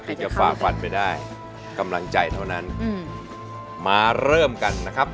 ฝ่าฟันไปได้กำลังใจเท่านั้นมาเริ่มกันนะครับ